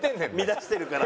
乱してるから。